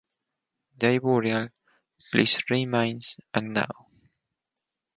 Their burial place remains unknown.